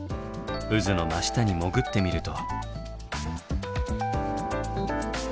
渦の真下に潜ってみると。